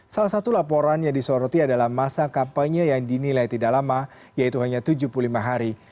salah satu laporan yang disoroti adalah masa kampanye yang dinilai tidak lama yaitu hanya tujuh puluh lima hari